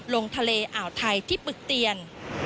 ลงทะเลเอาไท่ที่ปึกเตี่ยน